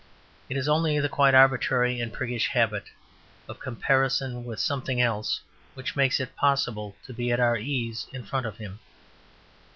It is only the quite arbitrary and priggish habit of comparison with something else which makes it possible to be at our ease in front of him.